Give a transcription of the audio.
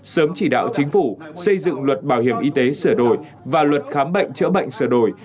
sớm chỉ đạo chính phủ xây dựng luật bảo hiểm y tế sửa đổi và luật khám bệnh chữa bệnh sửa đổi